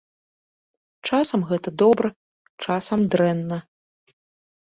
Часам гэта добра, часам дрэнна.